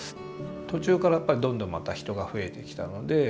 途中からやっぱりどんどんまた人が増えてきたので。